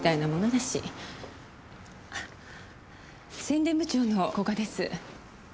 宣伝部長の古賀です。